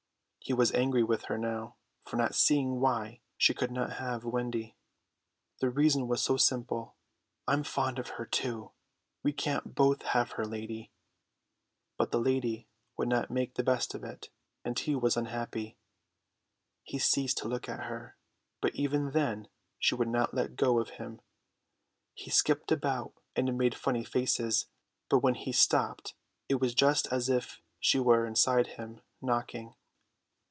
He was angry with her now for not seeing why she could not have Wendy. The reason was so simple: "I'm fond of her too. We can't both have her, lady." But the lady would not make the best of it, and he was unhappy. He ceased to look at her, but even then she would not let go of him. He skipped about and made funny faces, but when he stopped it was just as if she were inside him, knocking.